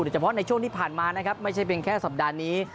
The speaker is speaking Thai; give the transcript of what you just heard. เฉพาะในช่วงที่ผ่านมานะครับไม่ใช่เพียงแค่สัปดาห์นี้